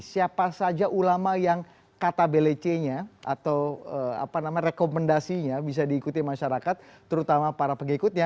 siapa saja ulama yang kata blc nya atau rekomendasinya bisa diikuti masyarakat terutama para pengikutnya